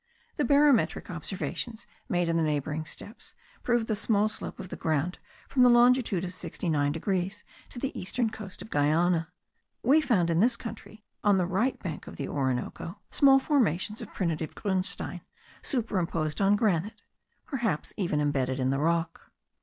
The barometric observations made in the neighbouring steppes prove the small slope of the ground from the longitude of 69 degrees to the eastern coast of Guiana. We found in this country, on the right bank of the Orinoco, small formations of primitive grunstein, superimposed on granite (perhaps even embedded in the rock).